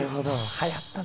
はやったな。